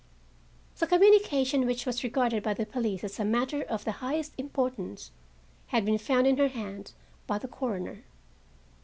The communication, which was regarded by the police as a matter of the highest importance, had been found in her hand by the coroner.